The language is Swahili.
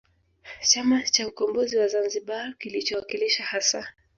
Chama cha Ukombozi wa Zamzibar kilichowakilisha hasa